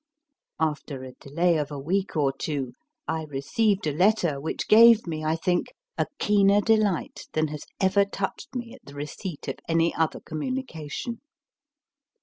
After a delay of a week or two, I received a letter which gave me, I think, a keener delight than has ever touched me at the receipt of any other com munication.